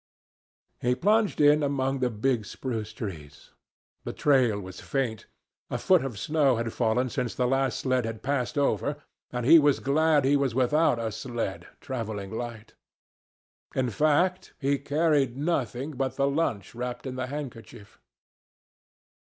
He plunged in among the big spruce trees. The trail was faint. A foot of snow had fallen since the last sled had passed over, and he was glad he was without a sled, travelling light. In fact, he carried nothing but the lunch wrapped in the handkerchief.